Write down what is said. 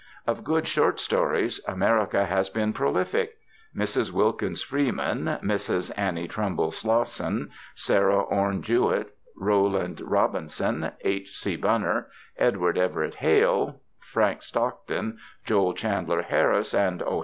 Of good short stories America has been prolific. Mrs. Wilkins Freeman, Mrs. Annie Trumbull Slosson, Sarah Orne Jewett, Rowland Robinson, H. C. Bunner, Edward Everett Hale, Frank Stockton, Joel Chandler Harris, and "O.